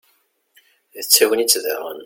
d tagnit daɣen